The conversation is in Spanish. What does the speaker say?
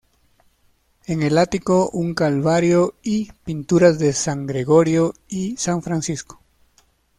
En el ático un calvario y pinturas de San Gregorio y San Francisco.